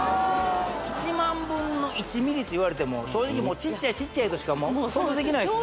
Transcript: １万分の１ｍｍっていわれても正直ちっちゃいちっちゃいとしか想像できないですもんね